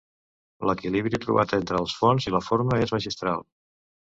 L'equilibri trobat entre el fons i la forma és magistral.